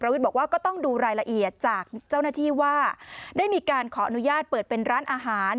วิทย์บอกว่าก็ต้องดูรายละเอียดจากเจ้าหน้าที่ว่าได้มีการขออนุญาตเปิดเป็นร้านอาหาร